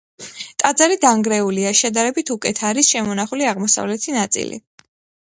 ტაძარი დანგრეულია, შედარებით უკეთ არის შემონახული აღმოსავლეთი ნაწილი.